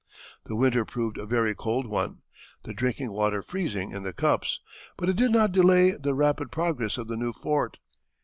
The winter proved a very cold one, the drinking water freezing in the cups, but it did not delay the rapid progress of the new fort.